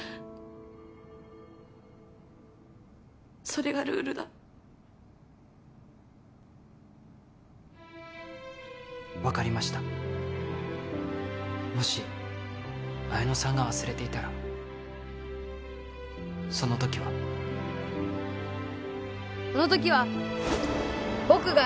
それがルールだ分かりましたもし彩乃さんが忘れていたらそのときはそのときは僕が